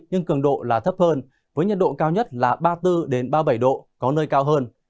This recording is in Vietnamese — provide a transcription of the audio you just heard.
nhưng cường độ là thấp hơn với nhiệt độ cao nhất là ba mươi bốn ba mươi bảy độ có nơi cao hơn